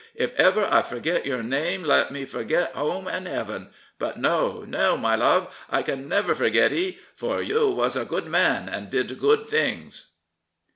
If ever I forget your name let me forget home and Heaven! ... But no, no, my love, I can never forget 'ee; for you was a good man, and did good things